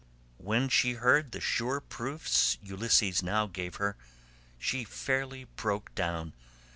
When she heard the sure proofs Ulysses now gave her, she fairly broke down.